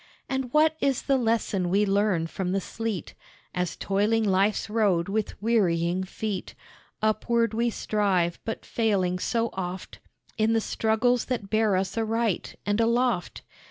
And what is the lesson we learn from the sleet, As toiling life's road with wearying feet, Upward we strive, but failing so oft In the struggles that bear us aright and aloft?